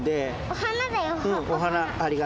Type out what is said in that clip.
・お花だよ